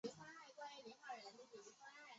由曼迪传播代理亚洲总动画授权。